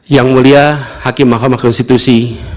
yang mulia hakim mahkamah konstitusi